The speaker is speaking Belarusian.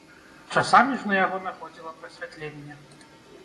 Часамі ж на яго находзіла прасвятленне.